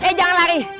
eh jangan lari